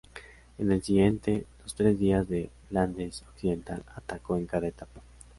En el siguiente los Tres Días de Flandes Occidental, atacó en cada etapa.